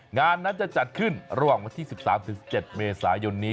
งานนั้นจะจัดขึ้นรุ่น๑๓๑๗เมษายุนนี้